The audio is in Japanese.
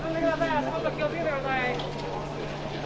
足元気をつけてください。